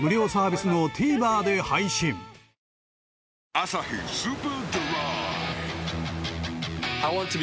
「アサヒスーパードライ」